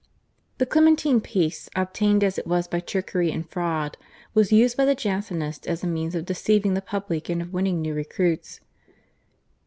1896. The Clementine Peace, obtained as it was by trickery and fraud, was used by the Jansenists as a means of deceiving the public and of winning new recruits.